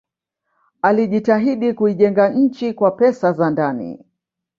alijitahidi kuijenga nchi kwa pesa za ndani